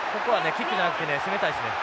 キックじゃなくてね攻めたいですね。